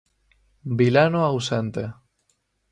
Vilano ausente.